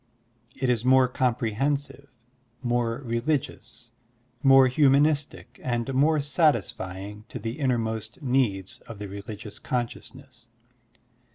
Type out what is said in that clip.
It is more comprehen sive, more religious, more htimanistic, and more satisfying to the innermost needs of the religious consciousness.